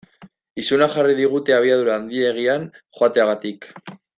Izuna jarri digute abiadura handiegian joateagatik.